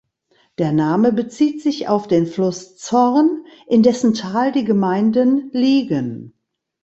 Der Name bezieht sich auf den Fluss Zorn, in dessen Tal die Gemeinden liegen.